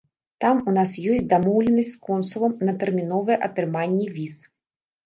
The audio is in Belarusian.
Там у нас ёсць дамоўленасць з консулам на тэрміновае атрыманне віз.